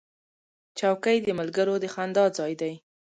چوکۍ د ملګرو د خندا ځای دی.